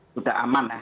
sudah aman ya